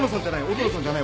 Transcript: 音野さんじゃない。